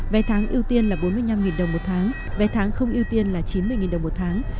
vé tháng ưu tiên là bốn mươi năm đồng một tháng vé tháng không ưu tiên là chín mươi đồng một tháng